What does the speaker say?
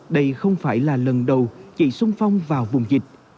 đây không phải là lần đầu chị sung phong vào vùng dịch